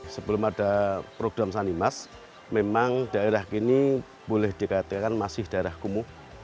sebelum ada program sanimas memang daerah ini boleh dikatakan masih daerah kumuh